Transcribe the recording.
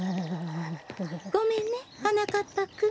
ごめんねはなかっぱくん。